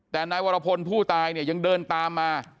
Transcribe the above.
แต่นายวรพลผู้ตายเนี่ยยังเดินตามมา